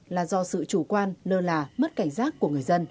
là do sự chủ quan lơ là mất cảnh giác của người dân